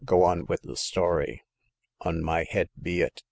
Go on with the story." On my head be it